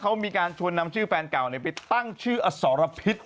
เขามีการชวนนำชื่อแฟนเก่าไปตั้งชื่ออสรพิษ